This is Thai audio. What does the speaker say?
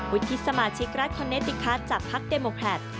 วิทยุสมาชิกรัฐคอนเนติกัสจากภักดิ์เดมโมแครต